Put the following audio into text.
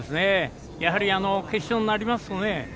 やはり決勝になりますとね